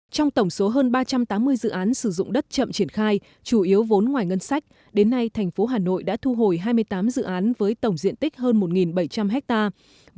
trong tổng số hơn ba trăm tám mươi dự án sử dụng đất chậm triển khai chủ yếu vốn ngoài ngân sách đến nay thành phố hà nội đã thu hồi hai mươi tám dự án với tổng diện tích hơn một bảy trăm linh hectare